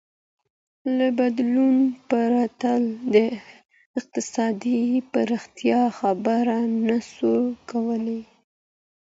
له بدلون پرته د اقتصادي پرمختيا خبره نسو کولاى.